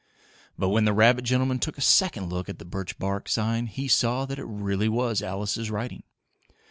But when the rabbit gentleman took a second look at the birch bark sign he saw that it really was Alice's writing.